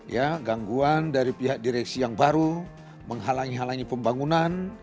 ya gangguan dari pihak direksi yang baru menghalangi halangi pembangunan